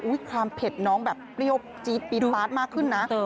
อุ๊ยความเผ็ดน้องแบบประโยชน์จี๊บปีฟาสมากขึ้นนะ